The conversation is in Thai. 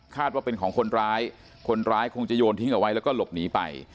ว่าเป็นของคนร้ายคนร้ายคงจะโยนทิ้งเอาไว้แล้วก็หลบหนีไป